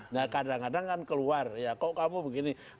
nah kadang kadang kan keluar ya kok kamu begini